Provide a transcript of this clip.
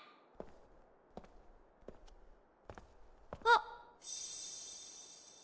あっ！